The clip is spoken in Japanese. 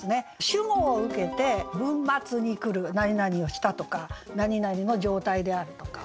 主語を受けて文末に来る「なになにをした」とか「なになにの状態である」とか。